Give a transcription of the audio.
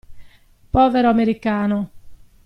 Povero americano!